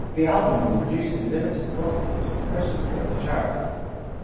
The album was produced in limited quantities with proceeds going to charity.